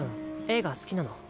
映画好きなの？